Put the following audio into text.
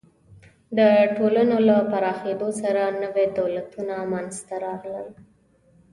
د ټولنو له پراخېدو سره نوي دولتونه منځ ته راغلل.